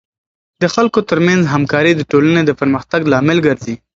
د خلکو ترمنځ همکاري د ټولنې د پرمختګ لامل ګرځي.